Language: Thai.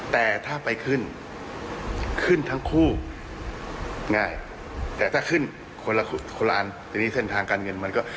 แต่ถ้าไปขึ้นขึ้นทั้งคู่ง่ายแต่ถ้าขึ้นคนละคนละอันทีนี้เส้นทางการเงินมันก็